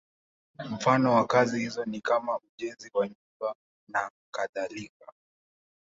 Mfano wa kazi hizo ni kama ujenzi wa nyumba nakadhalika.